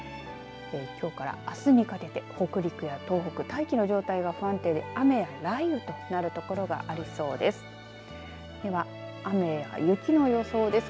きょうからあすにかけて北陸や東北、大気の状態が不安定で雨や雷雨となる所がありそうです。